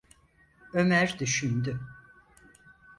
Ömer düşündü.